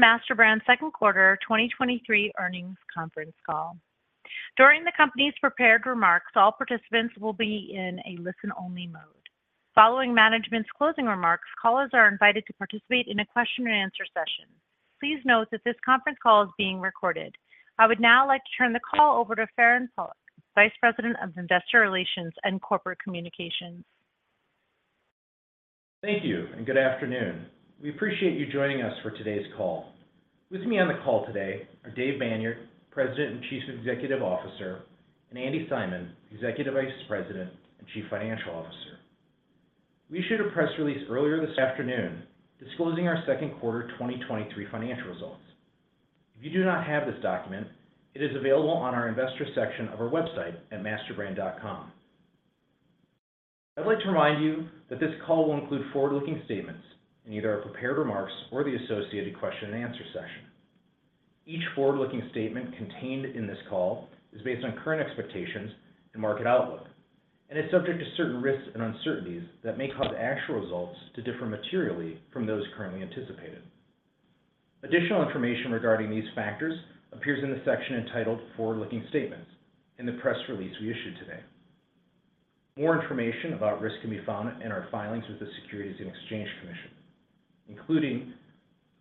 Welcome to MasterBrand's second quarter 2023 earnings conference call. During the company's prepared remarks, all participants will be in a listen-only mode. Following management's closing remarks, callers are invited to participate in a question and answer session. Please note that this conference call is being recorded. I would now like to turn the call over to Farand Pawlak, Vice President of Investor Relations and Corporate Communications. Thank you, and good afternoon. We appreciate you joining us for today's call. With me on the call today are Dave Banyard, President and Chief Executive Officer, and Andi Simon, Executive Vice President and Chief Financial Officer. We issued a press release earlier this afternoon, disclosing our second quarter 2023 financial results. If you do not have this document, it is available on our investor section of our website at masterbrand.com. I'd like to remind you that this call will include forward-looking statements in either our prepared remarks or the associated question and answer session. Each forward-looking statement contained in this call is based on current expectations and market outlook, and is subject to certain risks and uncertainties that may cause actual results to differ materially from those currently anticipated. Additional information regarding these factors appears in the section entitled "Forward-Looking Statements" in the press release we issued today. More information about risk can be found in our filings with the Securities and Exchange Commission, including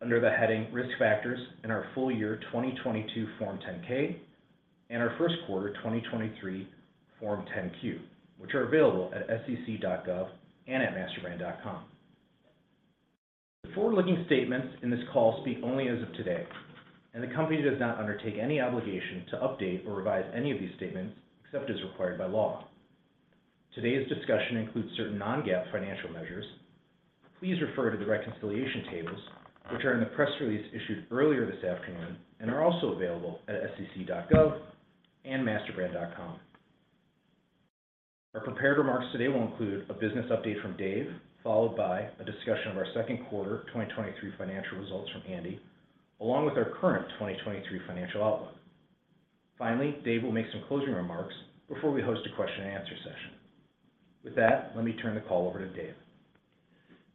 under the heading Risk Factors in our full year 2022 Form 10-K and our first quarter 2023 Form 10-Q, which are available at sec.gov and at masterbrand.com. The forward-looking statements in this call speak only as of today, and the Company does not undertake any obligation to update or revise any of these statements except as required by law. Today's discussion includes certain non-GAAP financial measures. Please refer to the reconciliation tables, which are in the press release issued earlier this afternoon and are also available at sec.gov and masterbrand.com. Our prepared remarks today will include a business update from Dave, followed by a discussion of our second quarter 2023 financial results from Andi, along with our current 2023 financial outlook. Finally, Dave will make some closing remarks before we host a question and answer session. With that, let me turn the call over to Dave.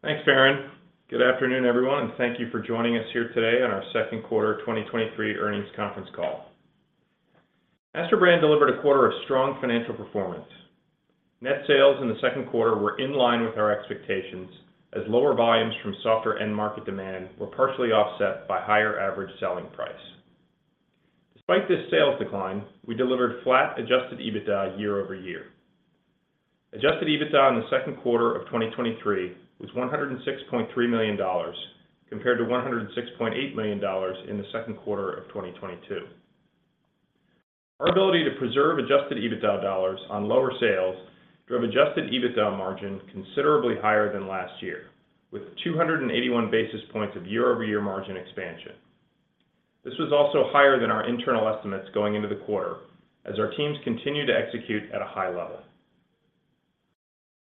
Thanks, Farand. Good afternoon, everyone, and thank you for joining us here today on our second quarter 2023 earnings conference call. MasterBrand delivered a quarter of strong financial performance. Net sales in the second quarter were in line with our expectations, as lower volumes from softer end market demand were partially offset by higher average selling price. Despite this sales decline, we delivered flat adjusted EBITDA year-over-year. Adjusted EBITDA in the second quarter of 2023 was $106.3 million, compared to $106.8 million in the second quarter of 2022. Our ability to preserve adjusted EBITDA dollars on lower sales drove adjusted EBITDA margin considerably higher than last year, with 281 basis points of year-over-year margin expansion. This was also higher than our internal estimates going into the quarter, as our teams continued to execute at a high level.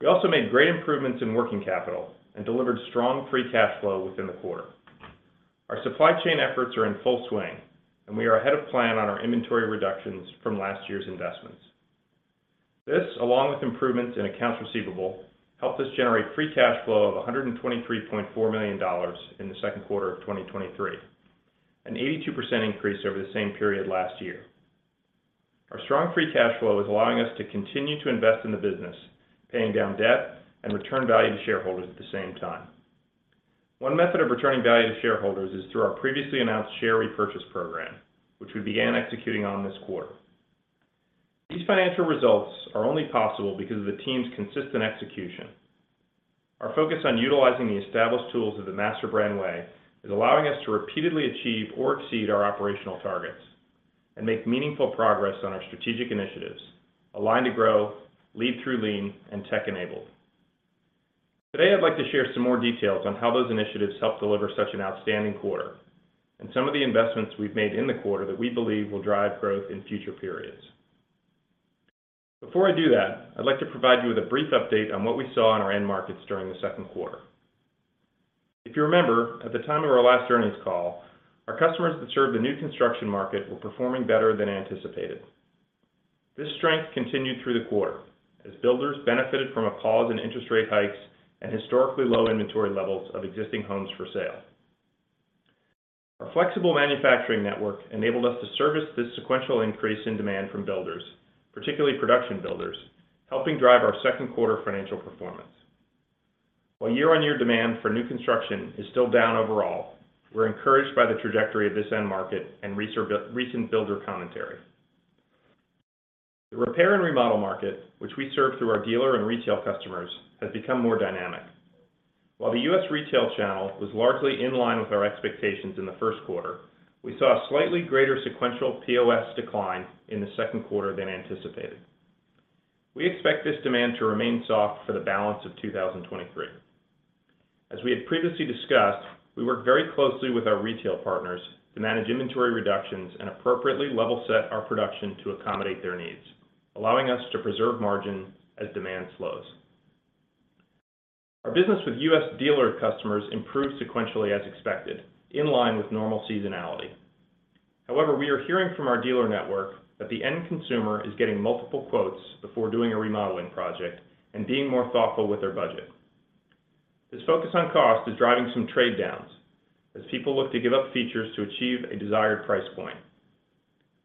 We also made great improvements in working capital and delivered strong free cash flow within the quarter. Our supply chain efforts are in full swing, and we are ahead of plan on our inventory reductions from last year's investments. This, along with improvements in accounts receivable, helped us generate free cash flow of $123.4 million in the second quarter of 2023, an 82% increase over the same period last year. Our strong free cash flow is allowing us to continue to invest in the business, paying down debt and return value to shareholders at the same time. One method of returning value to shareholders is through our previously announced share repurchase program, which we began executing on this quarter. These financial results are only possible because of the team's consistent execution. Our focus on utilizing the established tools of the MasterBrand Way is allowing us to repeatedly achieve or exceed our operational targets and make meaningful progress on our strategic initiatives: Align to Grow, Lead Through Lean, and Tech Enabled. Today, I'd like to share some more details on how those initiatives helped deliver such an outstanding quarter, and some of the investments we've made in the quarter that we believe will drive growth in future periods. Before I do that, I'd like to provide you with a brief update on what we saw in our end markets during the second quarter. If you remember, at the time of our last earnings call, our customers that served the new construction market were performing better than anticipated. This strength continued through the quarter as builders benefited from a pause in interest rate hikes and historically low inventory levels of existing homes for sale. Our flexible manufacturing network enabled us to service this sequential increase in demand from builders, particularly production builders, helping drive our second quarter financial performance. While year-on-year demand for new construction is still down overall, we're encouraged by the trajectory of this end market and recent builder commentary. The repair and remodel market, which we serve through our dealer and retail customers, has become more dynamic. While the U.S. retail channel was largely in line with our expectations in the first quarter, we saw a slightly greater sequential POS decline in the second quarter than anticipated. We expect this demand to remain soft for the balance of 2023. As we had previously discussed, we work very closely with our retail partners to manage inventory reductions and appropriately level set our production to accommodate their needs, allowing us to preserve margin as demand slows. Our business with US dealer customers improved sequentially as expected, in line with normal seasonality. However, we are hearing from our dealer network that the end consumer is getting multiple quotes before doing a remodeling project and being more thoughtful with their budget. This focus on cost is driving some trade downs as people look to give up features to achieve a desired price point.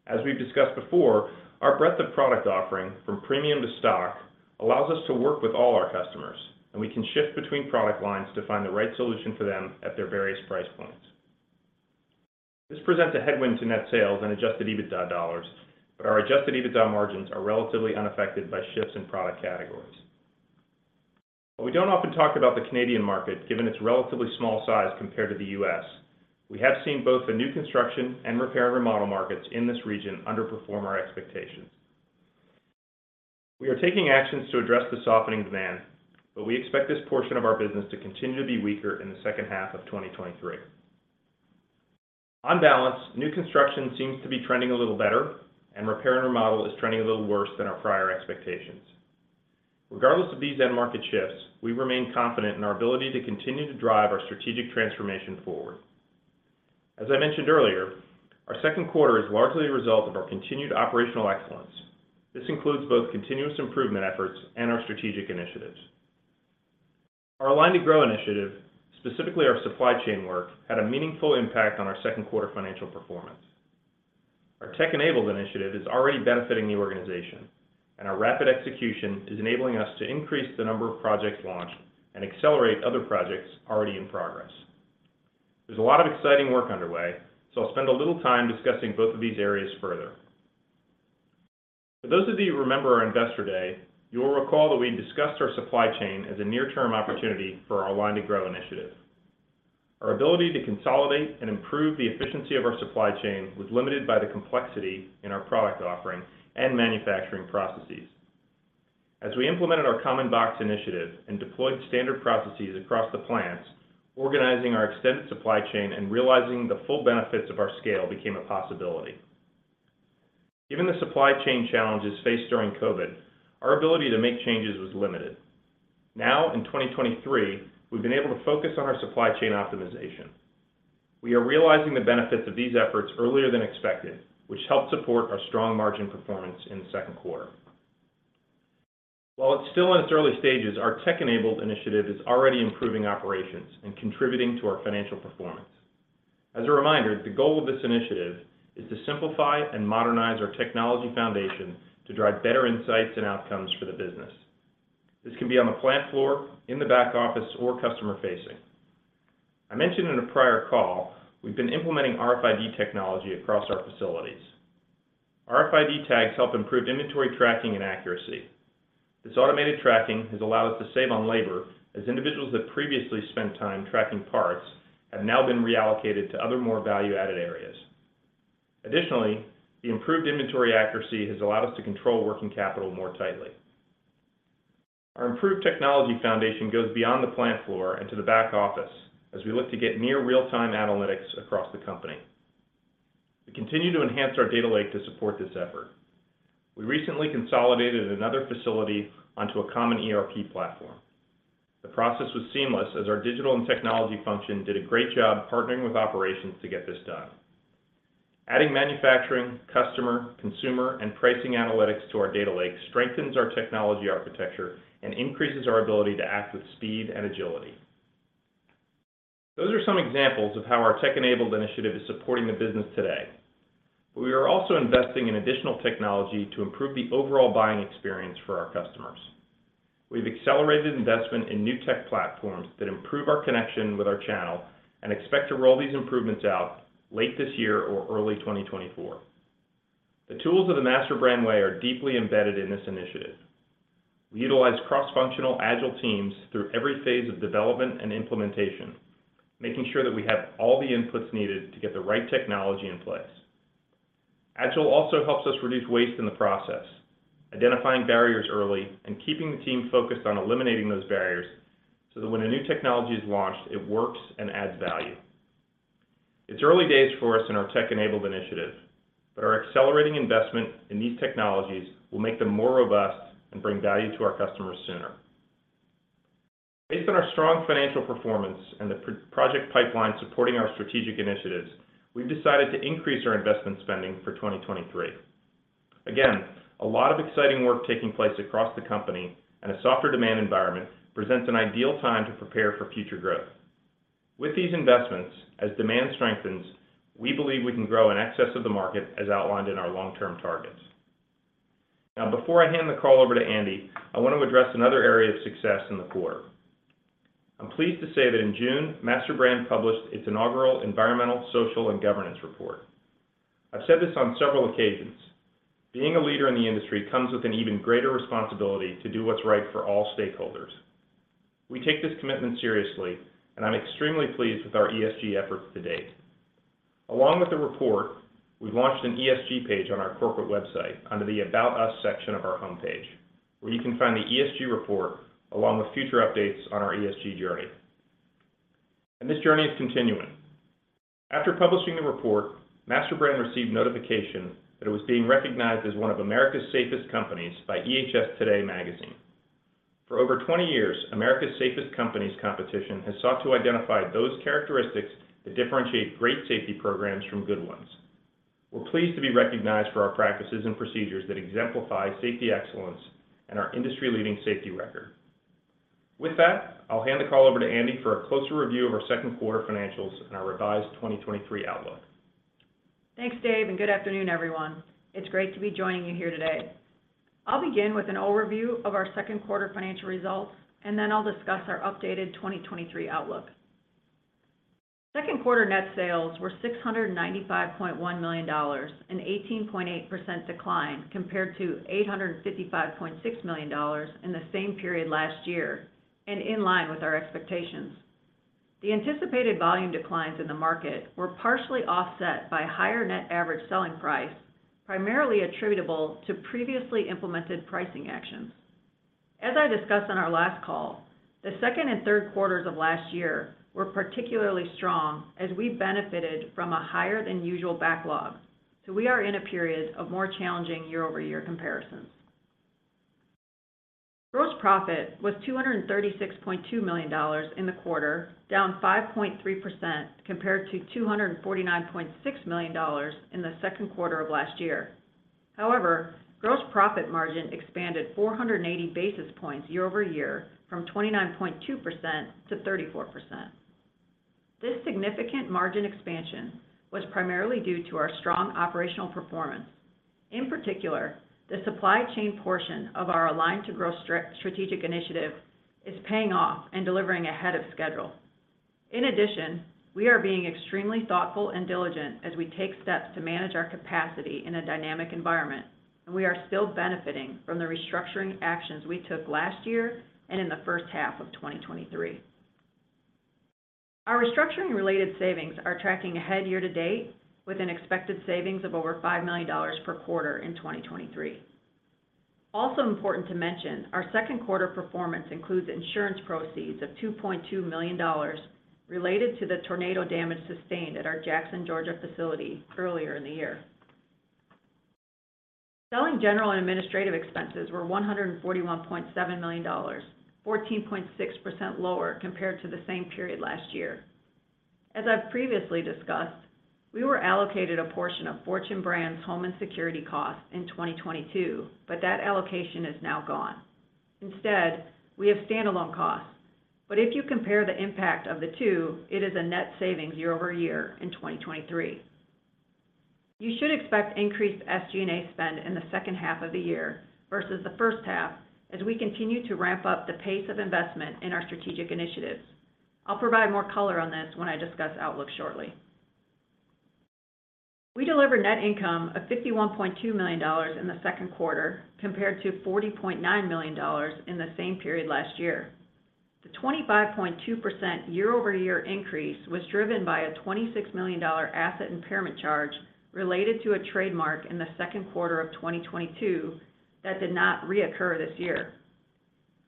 As we've discussed before, our breadth of product offering, from premium to stock, allows us to work with all our customers, and we can shift between product lines to find the right solution for them at their various price points. This presents a headwind to net sales and adjusted EBITDA dollars. Our adjusted EBITDA margins are relatively unaffected by shifts in product categories. We don't often talk about the Canadian market, given its relatively small size compared to the US. We have seen both the new construction and repair and remodel markets in this region underperform our expectations. We are taking actions to address the softening demand. We expect this portion of our business to continue to be weaker in the second half of 2023. On balance, new construction seems to be trending a little better, and repair and remodel is trending a little worse than our prior expectations. Regardless of these end market shifts, we remain confident in our ability to continue to drive our strategic transformation forward. As I mentioned earlier, our second quarter is largely a result of our continued operational excellence. This includes both continuous improvement efforts and our strategic initiatives. Our Align to Grow initiative, specifically our supply chain work, had a meaningful impact on our second quarter financial performance. Our Tech Enabled initiative is already benefiting the organization, and our rapid execution is enabling us to increase the number of projects launched and accelerate other projects already in progress. There's a lot of exciting work underway, so I'll spend a little time discussing both of these areas further. For those of you who remember our Investor Day, you will recall that we discussed our supply chain as a near-term opportunity for our Align to Grow initiative. Our ability to consolidate and improve the efficiency of our supply chain was limited by the complexity in our product offering and manufacturing processes. As we implemented our Common Box initiative and deployed standard processes across the plants, organizing our extended supply chain and realizing the full benefits of our scale became a possibility. Given the supply chain challenges faced during COVID, our ability to make changes was limited. Now, in 2023, we've been able to focus on our supply chain optimization. We are realizing the benefits of these efforts earlier than expected, which helped support our strong margin performance in the second quarter. While it's still in its early stages, our Tech Enabled initiative is already improving operations and contributing to our financial performance. As a reminder, the goal of this initiative is to simplify and modernize our technology foundation to drive better insights and outcomes for the business. This can be on the plant floor, in the back office, or customer-facing. I mentioned in a prior call, we've been implementing RFID technology across our facilities. RFID tags help improve inventory tracking and accuracy. This automated tracking has allowed us to save on labor, as individuals that previously spent time tracking parts have now been reallocated to other, more value-added areas. Additionally, the improved inventory accuracy has allowed us to control working capital more tightly. Our improved technology foundation goes beyond the plant floor and to the back office as we look to get near real-time analytics across the company. We continue to enhance our data lake to support this effort. We recently consolidated another facility onto a common ERP platform. The process was seamless as our digital and technology function did a great job partnering with operations to get this done. Adding manufacturing, customer, consumer, and pricing analytics to our data lake strengthens our technology architecture and increases our ability to act with speed and agility. Those are some examples of how our Tech Enabled initiative is supporting the business today. We are also investing in additional technology to improve the overall buying experience for our customers. We've accelerated investment in new tech platforms that improve our connection with our channel and expect to roll these improvements out late this year or early 2024. The tools of The MasterBrand Way are deeply embedded in this initiative. We utilize cross-functional agile teams through every phase of development and implementation, making sure that we have all the inputs needed to get the right technology in place. Agile also helps us reduce waste in the process, identifying barriers early and keeping the team focused on eliminating those barriers, so that when a new technology is launched, it works and adds value. It's early days for us in our Tech Enabled initiative. Our accelerating investment in these technologies will make them more robust and bring value to our customers sooner. Based on our strong financial performance and the project pipeline supporting our strategic initiatives, we've decided to increase our investment spending for 2023. A lot of exciting work taking place across the company and a softer demand environment presents an ideal time to prepare for future growth. With these investments, as demand strengthens, we believe we can grow in excess of the market as outlined in our long-term targets. Now, before I hand the call over to Andi, I want to address another area of success in the quarter. I'm pleased to say that in June, MasterBrand published its inaugural Environmental, Social, and Governance report. I've said this on several occasions: Being a leader in the industry comes with an even greater responsibility to do what's right for all stakeholders. We take this commitment seriously, and I'm extremely pleased with our ESG efforts to date. Along with the report, we've launched an ESG page on our corporate website under the About Us section of our homepage, where you can find the ESG report, along with future updates on our ESG journey. This journey is continuing. After publishing the report, MasterBrand received notification that it was being recognized as one of America's Safest Companies by EHS Today magazine.... For over 20 years, America's Safest Companies competition has sought to identify those characteristics that differentiate great safety programs from good ones. We're pleased to be recognized for our practices and procedures that exemplify safety excellence and our industry-leading safety record. With that, I'll hand the call over to Andi for a closer review of our second quarter financials and our revised 2023 outlook. Thanks, Dave, good afternoon, everyone. It's great to be joining you here today. I'll begin with an overview of our second quarter financial results, then I'll discuss our updated 2023 outlook. Second quarter net sales were $695.1 million, an 18.8% decline compared to $855.6 million in the same period last year, in line with our expectations. The anticipated volume declines in the market were partially offset by higher net average selling price, primarily attributable to previously implemented pricing actions. As I discussed on our last call, the second and third quarters of last year were particularly strong as we benefited from a higher than usual backlog, we are in a period of more challenging year-over-year comparisons. Gross profit was $236.2 million in the quarter, down 5.3% compared to $249.6 million in the second quarter of last year. However, gross profit margin expanded 480 basis points year-over-year, from 29.2% to 34%. This significant margin expansion was primarily due to our strong operational performance. In particular, the supply chain portion of our Align to Grow strategic initiative is paying off and delivering ahead of schedule. In addition, we are being extremely thoughtful and diligent as we take steps to manage our capacity in a dynamic environment, and we are still benefiting from the restructuring actions we took last year and in the first half of 2023. Our restructuring-related savings are tracking ahead year-to-date with an expected savings of over $5 million per quarter in 2023. Important to mention, our second quarter performance includes insurance proceeds of $2.2 million related to the tornado damage sustained at our Jackson, Georgia facility earlier in the year. Selling, general and administrative expenses were $141.7 million, 14.6% lower compared to the same period last year. As I've previously discussed, we were allocated a portion of Fortune Brands Home & Security costs in 2022, that allocation is now gone. We have standalone costs, if you compare the impact of the two, it is a net savings year-over-year in 2023. You should expect increased SG&A spend in the second half of the year versus the first half as we continue to ramp up the pace of investment in our strategic initiatives. I'll provide more color on this when I discuss outlook shortly. We delivered net income of $51.2 million in the second quarter, compared to $40.9 million in the same period last year. The 25.2% year-over-year increase was driven by a $26 million asset impairment charge related to a trademark in the second quarter of 2022 that did not reoccur this year.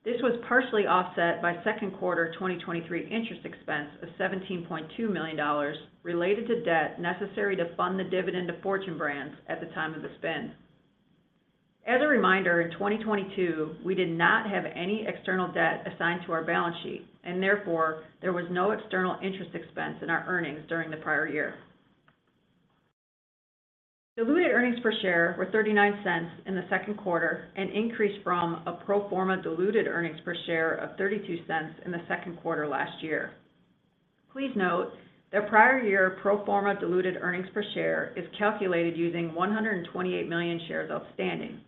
This was partially offset by second quarter 2023 interest expense of $17.2 million related to debt necessary to fund the dividend to Fortune Brands at the time of the spin. As a reminder, in 2022, we did not have any external debt assigned to our balance sheet, and therefore, there was no external interest expense in our earnings during the prior year. Diluted earnings per share were $0.39 in the second quarter, an increase from a pro forma diluted earnings per share of $0.32 in the second quarter last year. Please note that prior year pro forma diluted earnings per share is calculated using 128 million shares outstanding.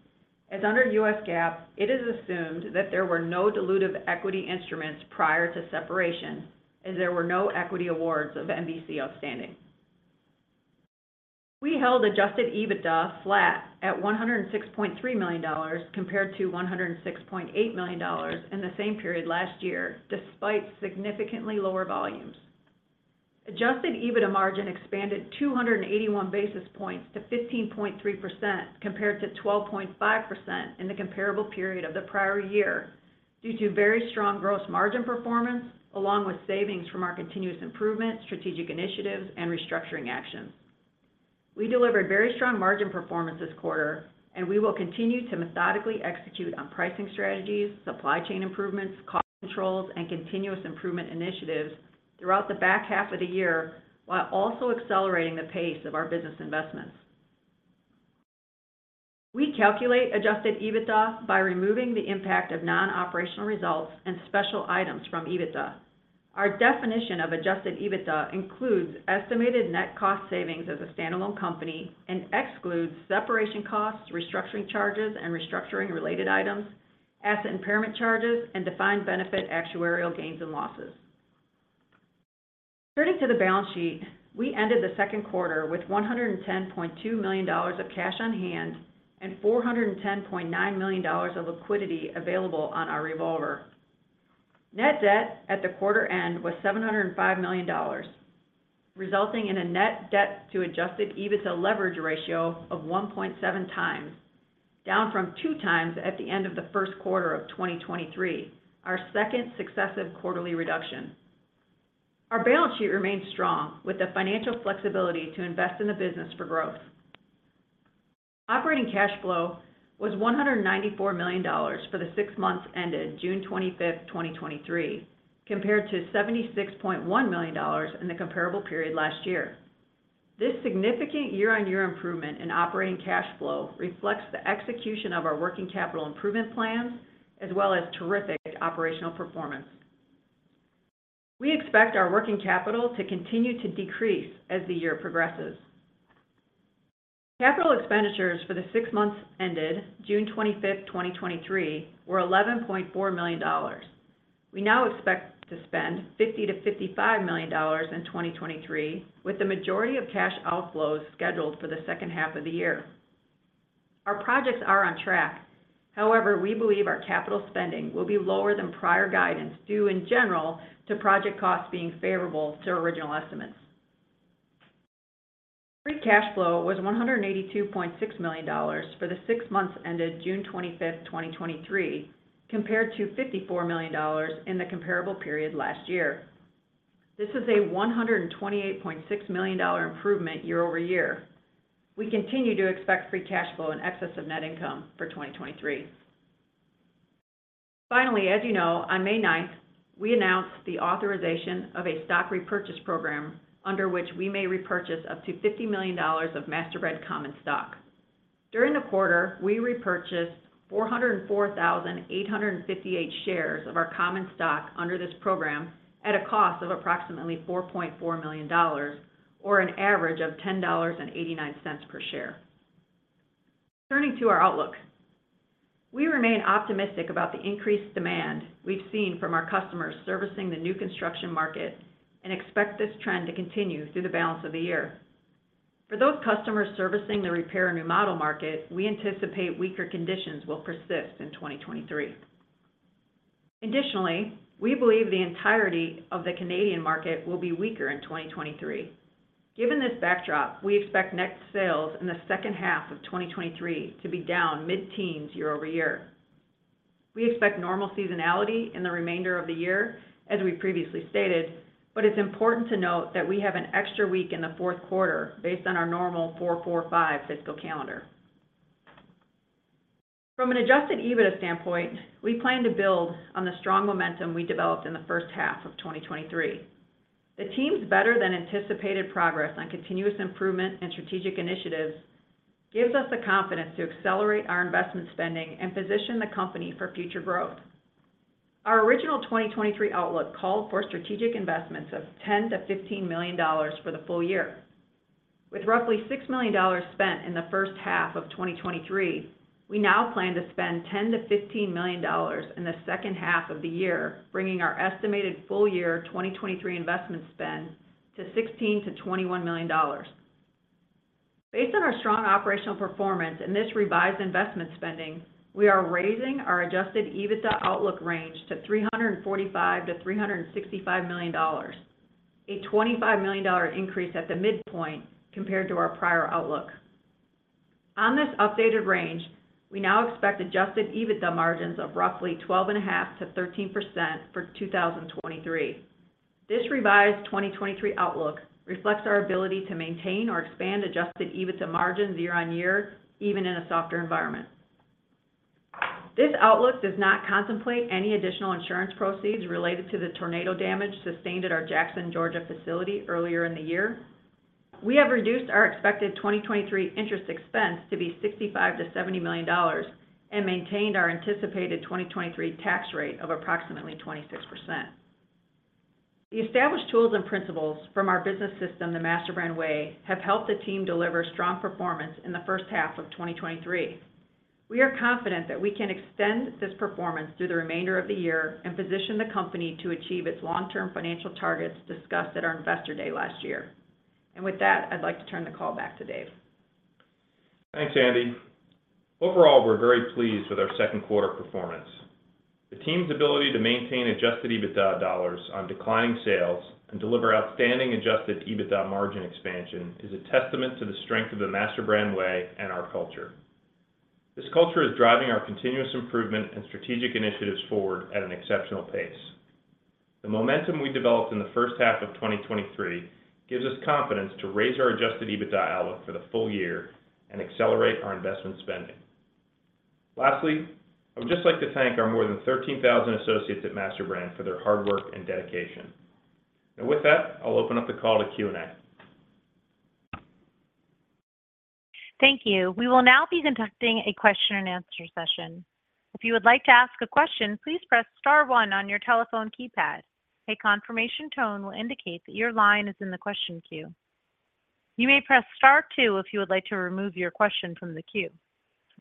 As under US GAAP, it is assumed that there were no dilutive equity instruments prior to separation, as there were no equity awards of MBC outstanding. We held adjusted EBITDA flat at $106.3 million, compared to $106.8 million in the same period last year, despite significantly lower volumes. Adjusted EBITDA margin expanded 281 basis points to 15.3%, compared to 12.5% in the comparable period of the prior year, due to very strong gross margin performance, along with savings from our continuous improvement, strategic initiatives, and restructuring actions. We delivered very strong margin performance this quarter, and we will continue to methodically execute on pricing strategies, supply chain improvements, cost controls, and continuous improvement initiatives throughout the back half of the year, while also accelerating the pace of our business investments. We calculate Adjusted EBITDA by removing the impact of non-operational results and special items from EBITDA. Our definition of Adjusted EBITDA includes estimated net cost savings as a standalone company and excludes separation costs, restructuring charges and restructuring-related items, asset impairment charges, and defined benefit actuarial gains and losses. Turning to the balance sheet, we ended the second quarter with $110.2 million of cash on hand and $410.9 million of liquidity available on our revolver. Net debt at the quarter end was $705 million, resulting in a net debt to adjusted EBITDA leverage ratio of 1.7 times, down from 2 times at the end of the first quarter of 2023, our second successive quarterly reduction. Our balance sheet remains strong with the financial flexibility to invest in the business for growth. Operating cash flow was $194 million for the six months ended June 25th, 2023, compared to $76.1 million in the comparable period last year. This significant year-on-year improvement in operating cash flow reflects the execution of our working capital improvement plans, as well as terrific operational performance. We expect our working capital to continue to decrease as the year progresses. Capital expenditures for the six months ended June 25th, 2023, were $11.4 million. We now expect to spend $50 million-$55 million in 2023, with the majority of cash outflows scheduled for the second half of the year. Our projects are on track. However, we believe our capital spending will be lower than prior guidance, due in general to project costs being favorable to original estimates. Free cash flow was $182.6 million for the six months ended June 25th, 2023, compared to $54 million in the comparable period last year. This is a $128.6 million improvement year-over-year. We continue to expect free cash flow in excess of net income for 2023. Finally, as you know, on May 9th, we announced the authorization of a stock repurchase program under which we may repurchase up to $50 million of MasterBrand common stock. During the quarter, we repurchased 404,858 shares of our common stock under this program at a cost of approximately $4.4 million or an average of $10.89 per share. Turning to our outlook. We remain optimistic about the increased demand we've seen from our customers servicing the new construction market and expect this trend to continue through the balance of the year. For those customers servicing the repair and remodel market, we anticipate weaker conditions will persist in 2023. Additionally, we believe the entirety of the Canadian market will be weaker in 2023. Given this backdrop, we expect next sales in the second half of 2023 to be down mid-teens year-over-year. We expect normal seasonality in the remainder of the year, as we previously stated, but it's important to note that we have an extra week in the fourth quarter based on our normal four-four-five fiscal calendar. From an adjusted EBITDA standpoint, we plan to build on the strong momentum we developed in the first half of 2023. The team's better-than-anticipated progress on continuous improvement and strategic initiatives gives us the confidence to accelerate our investment spending and position the company for future growth. Our original 2023 outlook called for strategic investments of $10 million-$15 million for the full year. With roughly $6 million spent in the first half of 2023, we now plan to spend $10 million-$15 million in the second half of the year, bringing our estimated full year 2023 investment spend to $16 million-$21 million. Based on our strong operational performance and this revised investment spending, we are raising our adjusted EBITDA outlook range to $345 million-$365 million, a $25 million increase at the midpoint compared to our prior outlook. On this updated range, we now expect adjusted EBITDA margins of roughly 12.5%-13% for 2023. This revised 2023 outlook reflects our ability to maintain or expand adjusted EBITDA margins year-on-year, even in a softer environment. This outlook does not contemplate any additional insurance proceeds related to the tornado damage sustained at our Jackson, Georgia, facility earlier in the year. We have reduced our expected 2023 interest expense to be $65 million-$70 million and maintained our anticipated 2023 tax rate of approximately 26%. The established tools and principles from our business system, The MasterBrand Way, have helped the team deliver strong performance in the first half of 2023. We are confident that we can extend this performance through the remainder of the year and position the company to achieve its long-term financial targets discussed at our Investor Day last year. With that, I'd like to turn the call back to Dave. Thanks, Andi. Overall, we're very pleased with our second quarter performance. The team's ability to maintain adjusted EBITDA dollars on declining sales and deliver outstanding adjusted EBITDA margin expansion is a testament to the strength of The MasterBrand Way and our culture. This culture is driving our continuous improvement and strategic initiatives forward at an exceptional pace. The momentum we developed in the first half of 2023 gives us confidence to raise our adjusted EBITDA outlook for the full year and accelerate our investment spending. Lastly, I would just like to thank our more than 13,000 associates at MasterBrand for their hard work and dedication. With that, I'll open up the call to Q&A. Thank you. We will now be conducting a question and answer session. If you would like to ask a question, please press star one on your telephone keypad. A confirmation tone will indicate that your line is in the question queue. You may press Star two if you would like to remove your question from the queue.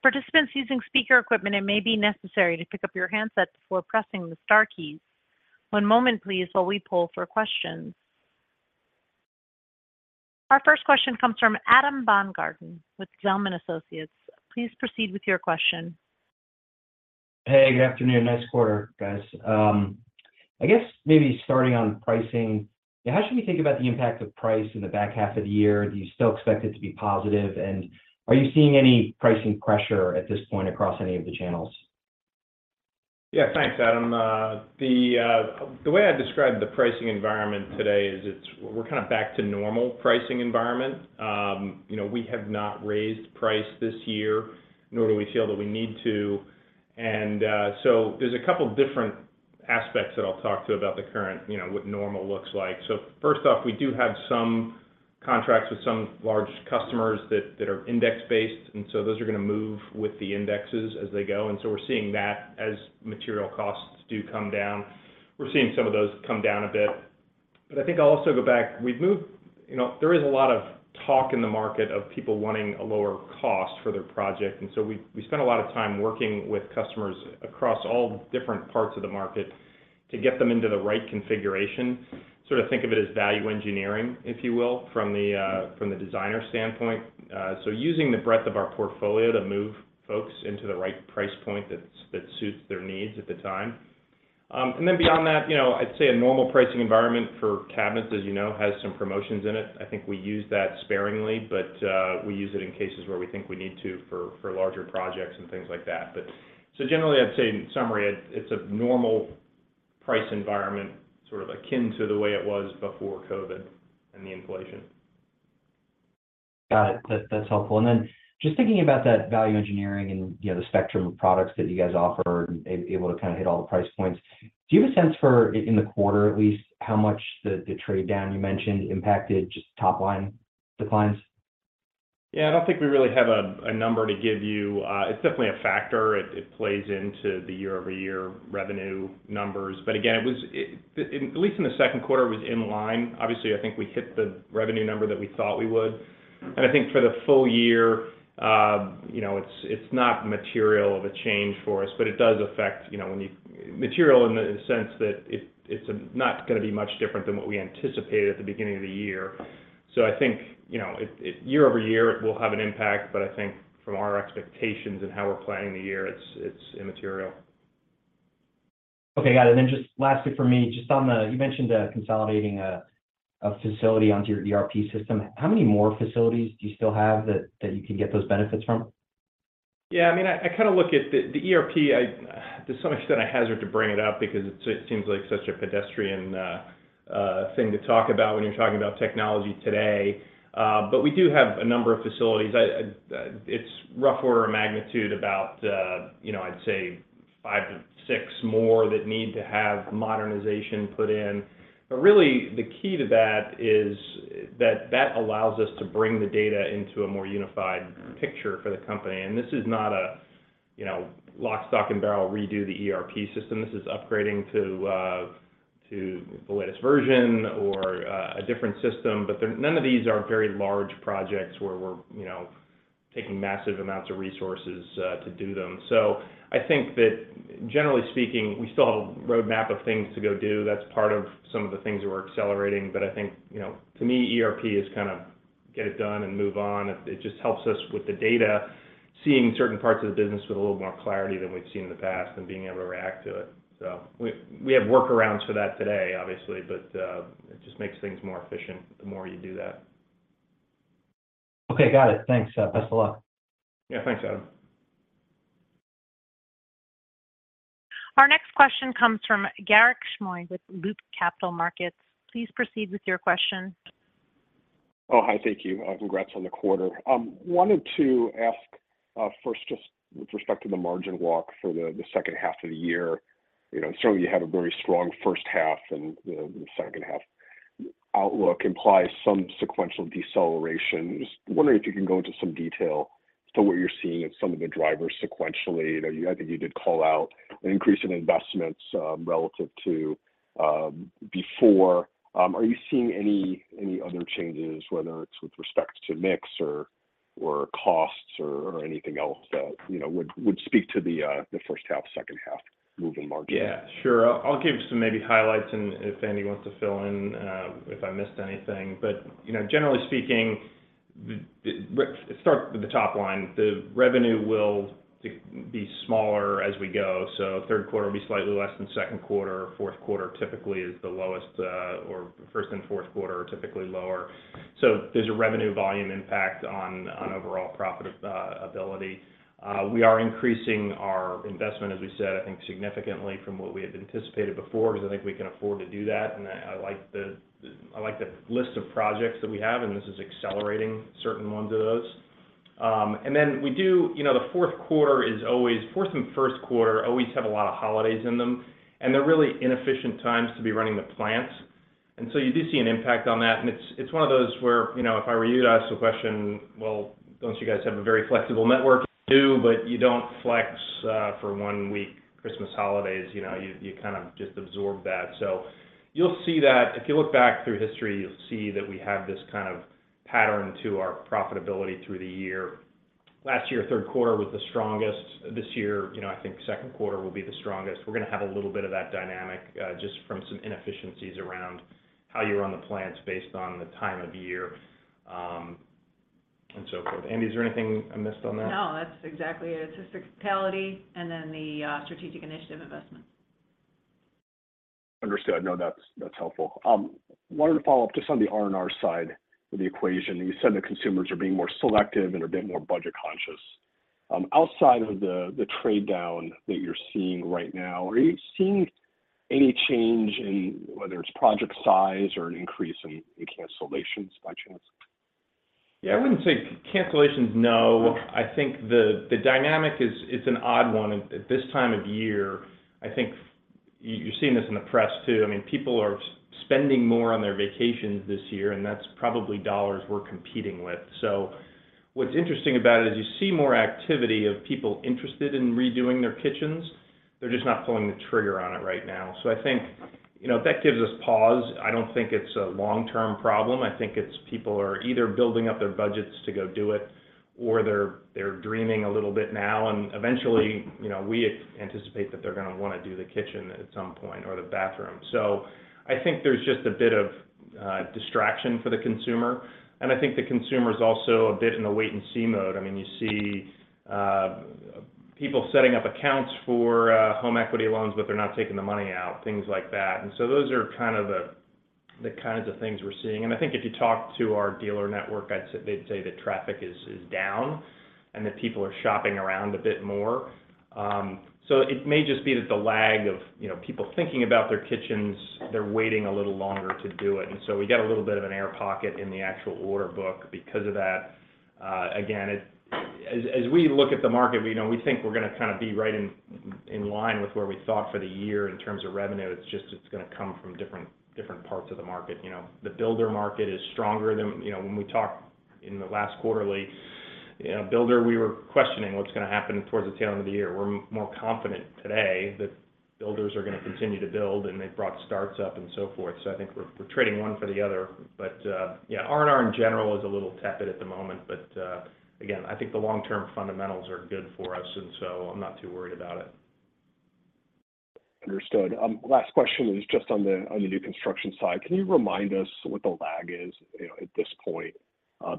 Participants using speaker equipment, it may be necessary to pick up your handset before pressing the star keys. One moment, please, while we pull for questions. Our first question comes from Adam Baumgarten with Zelman Associates. Please proceed with your question. Hey, good afternoon. Nice quarter, guys. I guess maybe starting on pricing, how should we think about the impact of price in the back half of the year? Do you still expect it to be positive, and are you seeing any pricing pressure at this point across any of the channels? Yeah, thanks, Adam. The way I describe the pricing environment today is it's, we're kind of back to normal pricing environment. You know, we have not raised price this year, nor do we feel that we need to. There's a couple different aspects that I'll talk to about the current, you know, what normal looks like. First off, we do have some contracts with some large customers that, that are index-based, those are gonna move with the indexes as they go. We're seeing that as material costs do come down. We're seeing some of those come down a bit. I think I'll also go back. We've moved you know, there is a lot of talk in the market of people wanting a lower cost for their project, so we, we spend a lot of time working with customers across all different parts of the market to get them into the right configuration. Sort of think of it as value engineering, if you will, from the from the designer standpoint. So using the breadth of our portfolio to move folks into the right price point that suits their needs at the time. Then beyond that, you know, I'd say a normal pricing environment for cabinets, as you know, has some promotions in it. I think we use that sparingly, but we use it in cases where we think we need to for, for larger projects and things like that. Generally, I'd say in summary, it's, it's a normal price environment, sort of akin to the way it was before COVID and the inflation. Got it. That, that's helpful. Then, just thinking about that value engineering and, you know, the spectrum of products that you guys offer and able to kind of hit all the price points, do you have a sense for in the quarter at least, how much the, the trade down you mentioned impacted just top line declines? Yeah, I don't think we really have a number to give you. It's definitely a factor. It plays into the year-over-year revenue numbers. Again, it was, at least in the second quarter, it was in line. Obviously, I think we hit the revenue number that we thought we would. I think for the full year, you know, it's, it's not material of a change for us, but it does affect, you know, when you. Material in the sense that it's, it's not gonna be much different than what we anticipated at the beginning of the year. I think, you know, it year-over-year, it will have an impact, but I think from our expectations and how we're planning the year, it's, it's immaterial. Okay, got it. Just lastly for me, just on the, you mentioned consolidating a facility onto your ERP system. How many more facilities do you still have that you can get those benefits from? Yeah, I mean, I, I kinda look at the ERP, to some extent, a hazard to bring it up because it, it seems like such a pedestrian thing to talk about when you're talking about technology today. We do have a number of facilities. I, I, it's rough order of magnitude about, you know, I'd say 5-6 more that need to have modernization put in. Really, the key to that is that that allows us to bring the data into a more unified picture for the company. This is not a, you know, lock, stock, and barrel redo the ERP system. This is upgrading to the latest version or a different system. None of these are very large projects where we're, you know, taking massive amounts of resources to do them. I think that generally speaking, we still have a roadmap of things to go do. That's part of some of the things that we're accelerating. I think, you know, to me, ERP is kind of get it done and move on. It it just helps us with the data, seeing certain parts of the business with a little more clarity than we've seen in the past and being able to react to it. We we have workarounds for that today, obviously, but it just makes things more efficient the more you do that. Okay, got it. Thanks, best of luck. Yeah, thanks, Adam. Our next question comes from Garik Shmois with Loop Capital Markets. Please proceed with your question. Oh, hi. Thank you. Congrats on the quarter. Wanted to ask, first, just with respect to the margin walk for the second half of the year, you know, certainly you have a very strong first half, and the second half outlook implies some sequential deceleration. Just wondering if you can go into some detail to what you're seeing as some of the drivers sequentially. You know, I think you did call out an increase in investments, relative to before. Are you seeing any, any other changes, whether it's with respect to mix or costs or anything else that, you know, would speak to the first half, second half moving margin? Yeah, sure. I'll give some maybe highlights, and if Andi wants to fill in, if I missed anything. You know, generally speaking, start with the top line. The revenue will be smaller as we go, so third quarter will be slightly less than second quarter. Fourth quarter typically is the lowest, or first and fourth quarter are typically lower. There's a revenue volume impact on, on overall profit ability. We are increasing our investment, as we said, I think, significantly from what we had anticipated before, because I think we can afford to do that. I, I like the, I like the list of projects that we have, and this is accelerating certain ones of those. We do- you know, the fourth quarter is always- fourth and first quarter always have a lot of holidays in them, and they're really inefficient times to be running the plants. You do see an impact on that, and it's, it's one of those where, you know, if I were you to ask the question: Well, don't you guys have a very flexible network? You do, but you don't flex, for one week, Christmas holidays. You know, you, you kind of just absorb that. If you look back through history, you'll see that- if you look back through history, you'll see that we have this kind of pattern to our profitability through the year. Last year, third quarter was the strongest. This year, you know, I think second quarter will be the strongest. We're gonna have a little bit of that dynamic, just from some inefficiencies around how you run the plants based on the time of year, and so forth. Andi, is there anything I missed on that? No, that's exactly it. It's just seasonality and then the strategic initiative investments. Understood. No, that's, that's helpful. wanted to follow up just on the R&R side of the equation. You said the consumers are being more selective and are a bit more budget conscious. outside of the, the trade down that you're seeing right now, are you seeing any change in whether it's project size or an increase in, in cancellations, by chance? Yeah, I wouldn't say cancellations, no. Okay. I think the dynamic is, it's an odd one at this time of year. I think you're seeing this in the press, too. I mean, people are spending more on their vacations this year, That's probably dollars we're competing with. What's interesting about it is you see more activity of people interested in redoing their kitchens. They're just not pulling the trigger on it right now. I think, you know, that gives us pause. I don't think it's a long-term problem. I think it's people are either building up their budgets to go do it, or they're dreaming a little bit now, and eventually, you know, we anticipate that they're gonna wanna do the kitchen at some point, or the bathroom. I think there's just a bit of distraction for the consumer, and I think the consumer's also a bit in a wait-and-see mode. I mean, you see people setting up accounts for home equity loans, but they're not taking the money out, things like that. Those are kind of the, the kinds of things we're seeing. I think if you talk to our dealer network, I'd say they'd say that traffic is, is down and that people are shopping around a bit more. It may just be that the lag of, you know, people thinking about their kitchens, they're waiting a little longer to do it. We get a little bit of an air pocket in the actual order book because of that. Again, it as we look at the market, we know, we think we're gonna kind of be right in line with where we thought for the year in terms of revenue. It's just, it's gonna come from different parts of the market. You know, the builder market is stronger than. You know, when we talked in the last quarterly, you know, builder, we were questioning what's gonna happen towards the tail end of the year. We're more confident today that builders are gonna continue to build, and they've brought starts up and so forth. I think we're trading one for the other. Yeah, R&R in general is a little tepid at the moment, but again, I think the long-term fundamentals are good for us, and so I'm not too worried about it. Understood. Last question is just on the, on the new construction side. Can you remind us what the lag is, you know, at this point,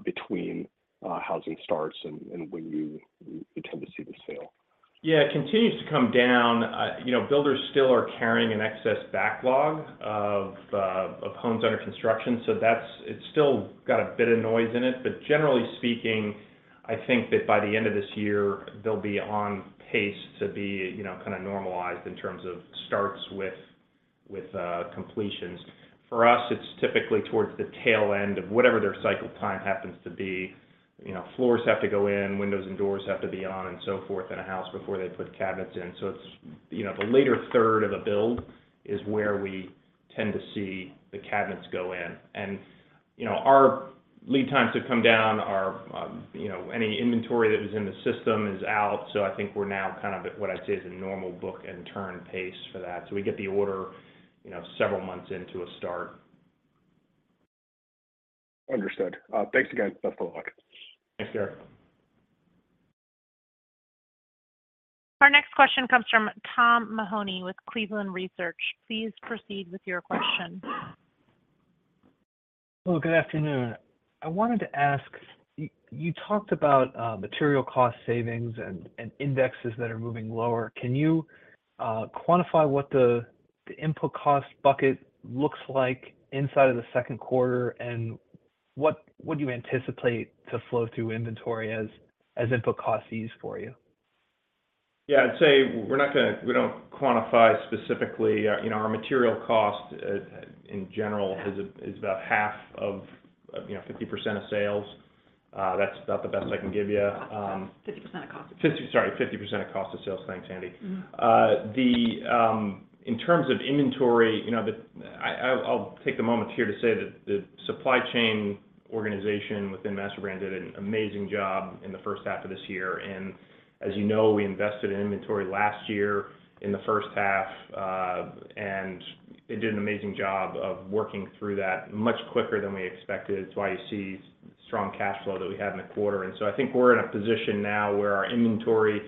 between, housing starts and, and when you, you tend to see the sale? Yeah, it continues to come down. You know, builders still are carrying an excess backlog of homes under construction, so that's- it's still got a bit of noise in it. Generally speaking, I think that by the end of this year, they'll be on pace to be, you know, kind of normalized in terms of starts with, with completions. For us, it's typically towards the tail end of whatever their cycle time happens to be. You know, floors have to go in, windows and doors have to be on, and so forth, in a house before they put cabinets in. It's, you know, the later third of a build is where we tend to see the cabinets go in. You know, our lead times have come down. Our, you know, any inventory that was in the system is out, I think we're now kind of at what I'd say is a normal book and turn pace for that. We get the order, you know, several months into a start. Understood. Thanks again. Best of luck. Thanks, Garik. Our next question comes from Tom Mahoney with Cleveland Research. Please proceed with your question. Hello, good afternoon. I wanted to ask, y- you talked about material cost savings and, and indexes that are moving lower. Can you quantify what the, the input cost bucket looks like inside of the second quarter, and what would you anticipate to flow through inventory as, as input costs ease for you? Yeah, I'd say we don't quantify specifically. You know, our material cost in general is about half of, of, you know, 50% of sales. That's about the best I can give you. 50% of cost of sales. 50%, sorry, 50% of cost of sales. Thanks, Andi. Mm-hmm. In terms of inventory, you know, I, I'll, I'll take a moment here to say that the supply chain organization within MasterBrand did an amazing job in the first half of this year. As you know, we invested in inventory last year in the first half, and they did an amazing job of working through that much quicker than we expected. It's why you see strong cash flow that we had in the quarter. I think we're in a position now where our inventory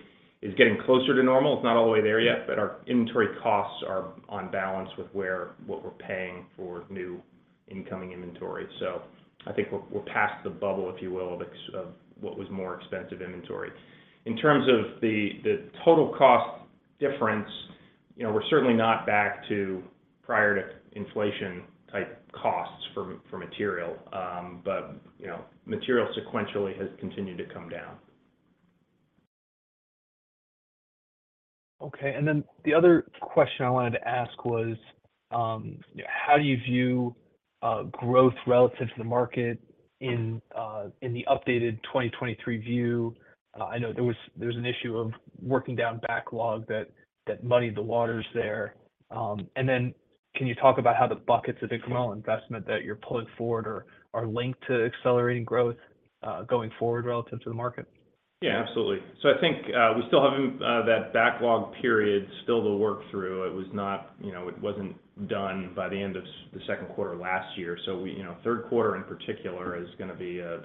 is getting closer to normal. It's not all the way there yet, but our inventory costs are on balance with where, what we're paying for new incoming inventory. I think we're, we're past the bubble, if you will, of what was more expensive inventory. In terms of the, the total cost difference, you know, we're certainly not back to prior to inflation-type costs for, for material. You know, material sequentially has continued to come down. Okay, the other question I wanted to ask was, how do you view growth relative to the market in the updated 2023 view? I know there was an issue of working down backlog that muddied the waters there. Can you talk about how the buckets of incremental investment that you're pulling forward are linked to accelerating growth going forward relative to the market? Yeah, absolutely. I think we still have that backlog period still to work through. It was not, you know, it wasn't done by the end of the second quarter last year. We, you know, third quarter in particular is gonna be a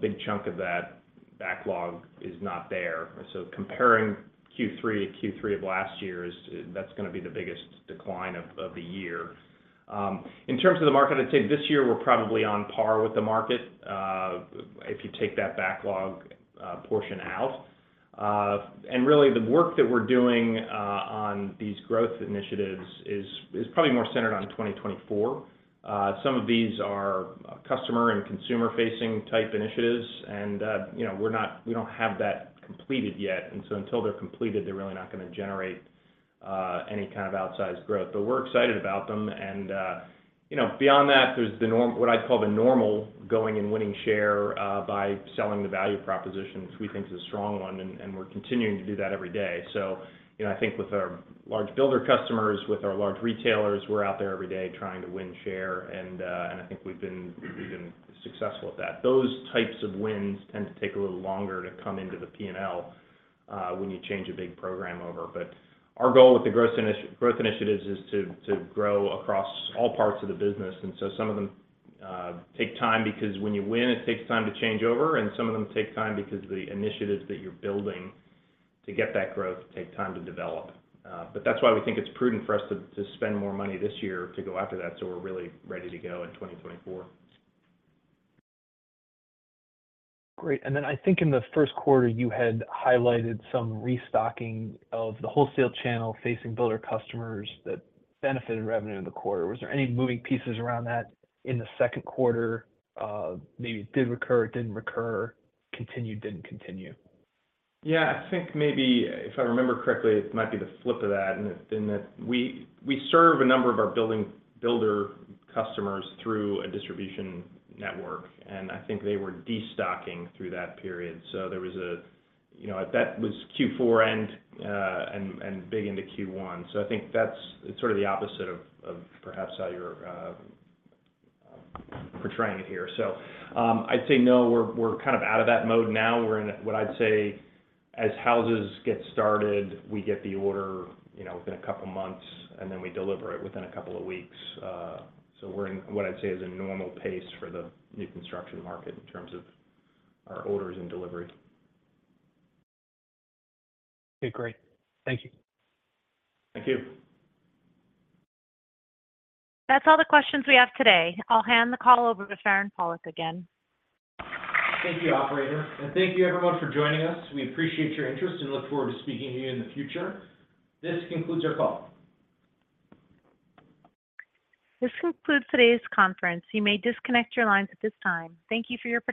big chunk of that backlog is not there. Comparing Q3 to Q3 of last year is, that's gonna be the biggest decline of the year. In terms of the market, I'd say this year we're probably on par with the market, if you take that backlog portion out. Really, the work that we're doing on these growth initiatives is probably more centered on 2024. Some of these are customer and consumer-facing type initiatives, you know, we don't have that completed yet, so until they're completed, they're really not gonna generate any kind of outsized growth. We're excited about them. You know, beyond that, there's what I'd call the normal going and winning share by selling the value proposition, which we think is a strong one, and, and we're continuing to do that every day. You know, I think with our large builder customers, with our large retailers, we're out there every day trying to win share, and, and I think we've been, we've been successful at that. Those types of wins tend to take a little longer to come into the P&L when you change a big program over. Our goal with the growth initiatives is to, to grow across all parts of the business. Some of them take time because when you win, it takes time to change over, and some of them take time because the initiatives that you're building to get that growth take time to develop. That's why we think it's prudent for us to, to spend more money this year to go after that, so we're really ready to go in 2024. Great. Then I think in the first quarter, you had highlighted some restocking of the wholesale channel facing builder customers that benefited revenue in the quarter. Was there any moving pieces around that in the second quarter? Maybe did recur, didn't recur, continued, didn't continue? I think maybe, if I remember correctly, it might be the flip of that, it's been that we serve a number of our building- builder customers through a distribution network. I think they were destocking through that period. There was a, you know. That was Q4 and big into Q1. I think that's sort of the opposite of perhaps how you're portraying it here. I'd say no, we're kind of out of that mode now. We're in what I'd say, as houses get started, we get the order, you know, within a couple of months, and then we deliver it within a couple of weeks. We're in what I'd say is a normal pace for the new construction market in terms of our orders and delivery. Okay, great. Thank you. Thank you. That's all the questions we have today. I'll hand the call over to Farand Pawlak again. Thank you, operator, and thank you everyone for joining us. We appreciate your interest and look forward to speaking to you in the future. This concludes our call. This concludes today's conference. You may disconnect your lines at this time. Thank you for your participation.